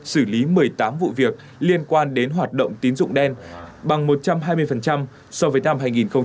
xử lý một mươi tám vụ việc liên quan đến hoạt động tín dụng đen bằng một trăm hai mươi so với năm hai nghìn một mươi tám